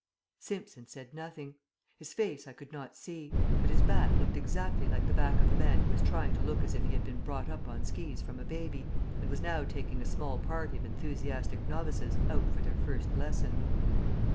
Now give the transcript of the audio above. Simpson said nothing. His face I could not see; but his back looked exactly like the back of a man who was trying to look as if he had been brought up on skis from a baby and was now taking a small party of enthusiastic novices out for their first lesson.